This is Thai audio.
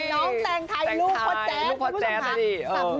น้องแตงไทยลูกพ่อแจ๊สลูกพ่อแจ๊สน่ะสิคุณผู้ชมค่ะเออ